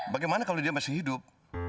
bagaimana kalau dia masih hidup